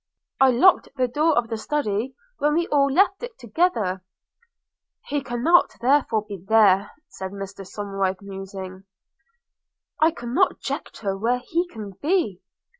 'I locked the door of the Study when we all left it together.' 'He cannot therefore be there,' said Mr Somerive, musing – 'I cannot conjecture where he can be!'